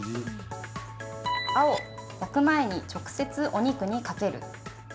青・焼く前に直接お肉にかける。